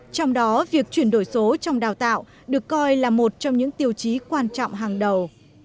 trong đó việc chuyển đổi số trong đào tạo được coi là một trong những tiêu chí quan trọng hàng đầu